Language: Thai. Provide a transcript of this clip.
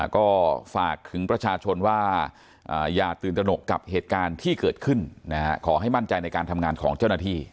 ก็ฝากถึงประชาชนว่าอย่าตื่นตนกกับเหตุการณ์ที่เกิดขึ้นขอให้มั่นใจในการทำงานของเจ้าหน้าที่